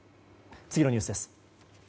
次のニュースです。